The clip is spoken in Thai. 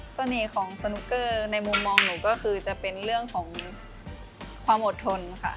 เสน่ห์ของสนุกเกอร์ในมุมมองหนูก็คือจะเป็นเรื่องของความอดทนค่ะ